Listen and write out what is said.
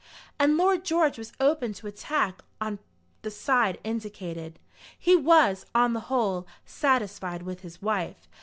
And Lord George was open to attack on the side indicated. He was, on the whole, satisfied with his wife.